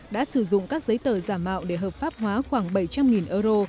đã sử dụng các giấy tờ giả mạo để hợp pháp hóa khoảng bảy trăm linh euro